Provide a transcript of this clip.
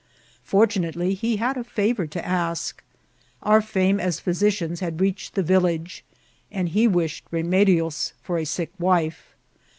F(»rtunately, he had a favour to ask. Our fame as physicians had reached the vil* lage, and he vndied remedios for a sick vnfe.